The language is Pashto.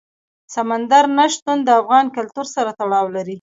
سمندر نه شتون د افغان کلتور سره تړاو لري.